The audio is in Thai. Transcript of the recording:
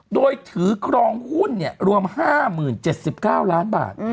โดยถือกรองหุ้นเนี่ยรวมห้าหมื่นเจ็ดสิบเก้าล้านบาท